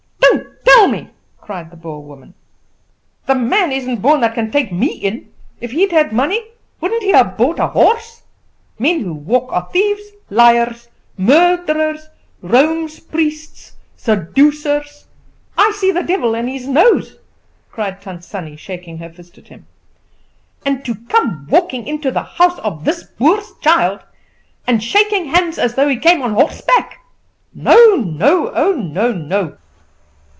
"Don't tell me," cried the Boer woman; "the man isn't born that can take me in. If he'd had money, wouldn't he have bought a horse? Men who walk are thieves, liars, murderers, Rome's priests, seducers! I see the devil in his nose!" cried Tant Sannie shaking her fist at him; "and to come walking into the house of this Boer's child and shaking hands as though he came on horseback! Oh, no, no!"